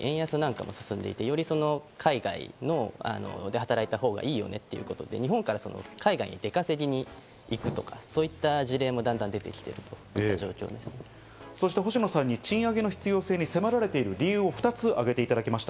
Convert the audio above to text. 足元だと、特に円安なんかが進んでいて、特に海外で働いたほうがいいよねということで日本から海外に出稼ぎに行くとか、そういった事例も星野さんに賃上げの必要性に迫られている理由を２つ上げていただきました。